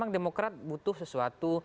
demokrasi butuh sesuatu